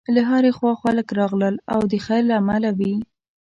له هرې خوا خلک راغلل او د خیر له امله وې.